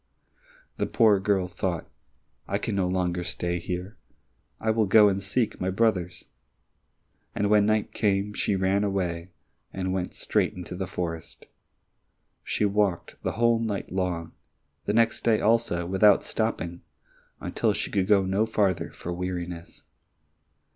The poor girl thought, "I can no longer stay here. I will go and seek my brothers." And when night came, she ran away, and went straight into the forest. She walked the whole night long, and next day also without stopping, until she could go no farther for weariness.